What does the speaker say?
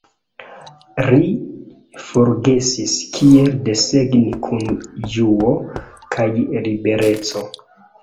Ri forgesis kiel desegni kun ĝuo kaj libereco.